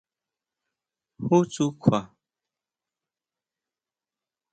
¿Ju tsú kjua?